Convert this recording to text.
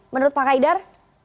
menurut pak haidar